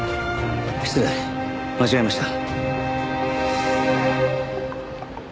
失礼間違えました。